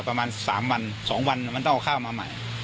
ประมาณ๓วัน๒วันมันต้องเอาข้าวมาใหม่